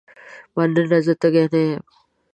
مننه زه تږې نه یم.